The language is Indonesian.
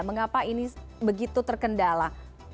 mengapa ini begitu terkendala